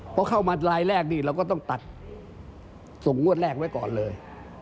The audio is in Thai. เพราะเข้ามารายแรกนี่เราก็ต้องตัดส่งงวดแรกไว้ก่อนเลย